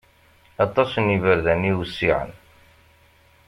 Aṭas n iberdan i iwessiɛen.